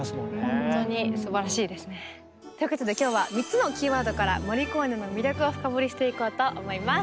本当にすばらしいですね。ということで今日は３つのキーワードからモリコーネの魅力を深掘りしていこうと思います。